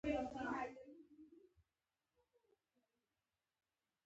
بیولوژي پوهانو د تور پوستانو هوښ محدود وښود.